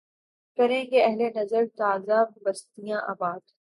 کریں گے اہل نظر تازہ بستیاں آباد